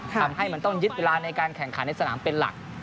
ทำให้มันต้องยึดเวลาในการแข่งขันในสนามเป็นหลัก